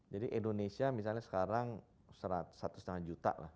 jadi indonesia misalnya sekarang satu lima juta lah